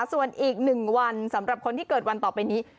ส่วนอีก๑วันสำหรับคนที่เกิดวันต่อไปนี้